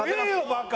バカ。